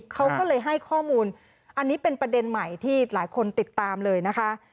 เขาก็เลยให้ข้อมูลอันนี้เป็นประเด็นใหม่ที่หลายคนติดตามเลยนะคะ